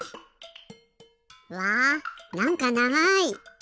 うわなんかながい。